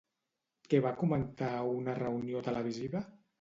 Què va comentar a una reunió televisiva?